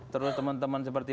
terus teman teman seperti